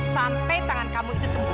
sampai tangan kamu itu sembuh